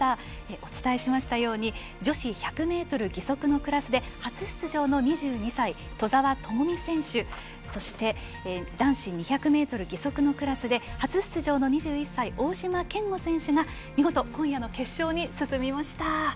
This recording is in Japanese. お伝えしましたように女子１００ｍ義足のクラスで初出場の２２歳、兎澤朋美選手そして男子２００ｍ義足のクラスで初出場の２１歳、大島健吾選手が見事今夜の決勝に進みました。